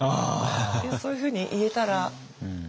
そういうふうに言えたらいいな。